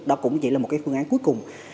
đó cũng chỉ là một cái phương án cuối cùng